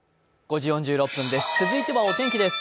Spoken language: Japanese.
続いてはお天気です。